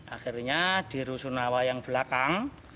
akhirnya di rusunawa yang belakang